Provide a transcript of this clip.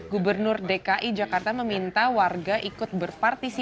gubernur dki jakarta meminta warga ikut berpartisipasi